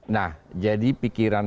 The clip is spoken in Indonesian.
nah jadi pikiran